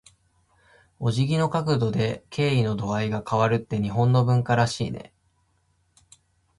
お辞儀の角度で、敬意の度合いが変わるって日本の文化らしいね。